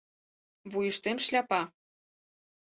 Вуйыштем — шляпа.